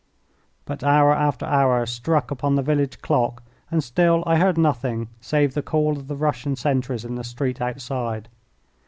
But hour after hour struck upon the village clock, and still I heard nothing save the call of the Russian sentries in the street outside.